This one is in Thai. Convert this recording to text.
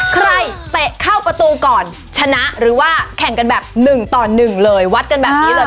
ใครเตะข้าวประตูก่อนชนะหรือว่าแข่งกันแบบหนึ่งต่อหนึ่งเลยวัดกันแบบนี้เลย